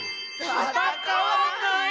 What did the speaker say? たたかわない？